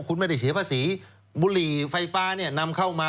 คุณไม่ได้เสียภาษีบุหรี่ไฟฟ้าเนี่ยนำเข้ามา